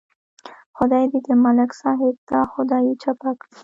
خدای دې د ملک صاحب دا خدایي چپه کړي.